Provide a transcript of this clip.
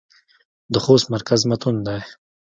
د خوست مرکز متون دى.